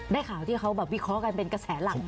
ได้ข่าวที่เขาแบบวิเคราะห์กันเป็นกระแสหลัก